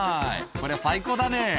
こりゃ、最高だね。